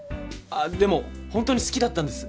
あっでもほんとに好きだったんです